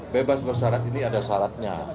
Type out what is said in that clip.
bebas bersyarat ini ada syaratnya